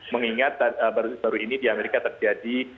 mengingat baru ini di amerika terjadi